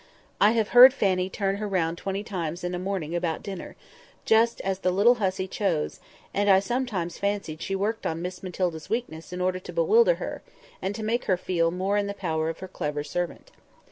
I have heard Fanny turn her round twenty times in a morning about dinner, just as the little hussy chose; and I sometimes fancied she worked on Miss Matilda's weakness in order to bewilder her, and to make her feel more in the power of her clever servant.